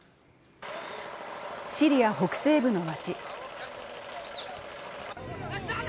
シリア北西部の街。